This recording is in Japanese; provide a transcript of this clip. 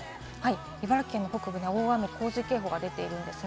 茨城県の北部に大雨洪水警報が出ています。